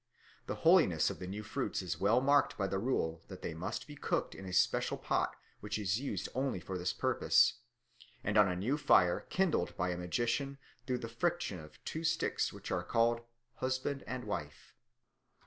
The holiness of the new fruits is well marked by the rule that they must be cooked in a special pot which is used only for this purpose, and on a new fire kindled by a magician through the friction of two sticks which are called "husband and wife."